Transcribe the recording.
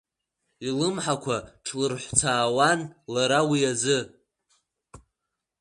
Илымҳақәа ҿлырҳәыцаауан лара уи азы.